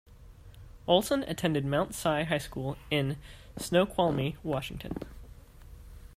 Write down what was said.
Olson attended Mount Si High School in Snoqualmie, Washington.